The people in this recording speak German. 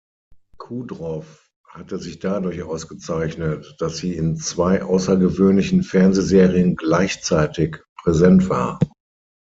Kudrow hatte sich dadurch ausgezeichnet, dass sie in zwei außergewöhnlichen Fernsehserien gleichzeitig präsent war.